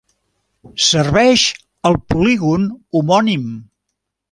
Serveix al polígon homònim.